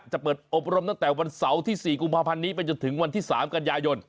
จะเปิดอบรมตั้งแต่วันเสาร์ที่๔กุมภาพันธ์นี้ไปจนถึงวันที่๓กันยายน